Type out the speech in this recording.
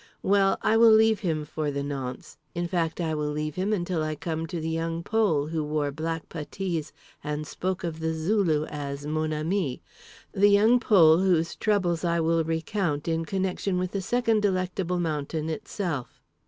Well, I will leave him for the nonce; in fact, I will leave him until I come to The Young Pole, who wore black puttees and spoke of The Zulu as "mon ami"—the Young Pole whose troubles I will recount in connection with the second Delectable Mountain Itself.